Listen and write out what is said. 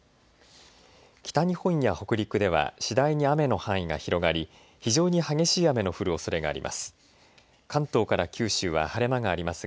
北日本や北陸では次第に雨の範囲が広がり非常に激しい雨の降るおそれがあります。